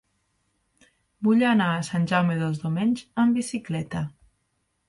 Vull anar a Sant Jaume dels Domenys amb bicicleta.